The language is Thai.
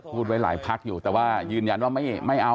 พูดไว้หลายพักอยู่แต่ว่ายืนยันว่าไม่เอา